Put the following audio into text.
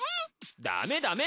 ダメダメ！